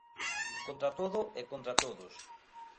Contra todo e contra todos.